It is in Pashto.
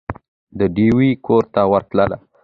د ډېوې کور ته ورتله